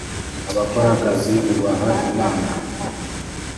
abakora akazi bubaha imana.